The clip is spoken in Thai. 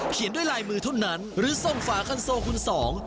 เขียนด้วยลายมือเท่านั้นหรือส่งฝาคันโซคุณสอง